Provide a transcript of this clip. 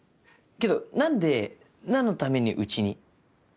けど何で何のためにうちに？